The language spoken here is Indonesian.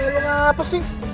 lo apa sih